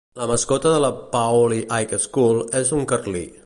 La mascota de la Paoli High School és un carlí.